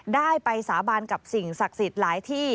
ได้ไปสาบานกับสิ่งศักดิ์สิทธิ์หลายที่